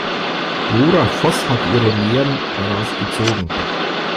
Lora Voß hat ihre Lehren daraus gezogen.